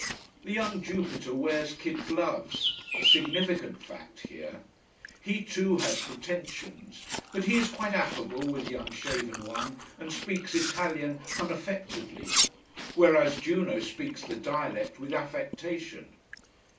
The young Jupiter wears kid gloves: a significant fact here. He, too, has pretensions. But he is quite affable with the unshaven one, and speaks Italian unaffectedly. Whereas Juno speaks the dialect with affectation.